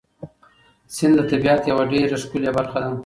سیند د طبیعت یوه ډېره ښکلې برخه ده.